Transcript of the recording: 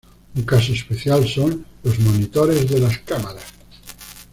Un caso especial son los monitores de las cámaras.